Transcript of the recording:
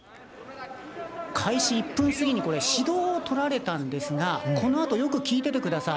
開始１分過ぎにこれ、指導を取られたんですが、このあとよく聞いててください。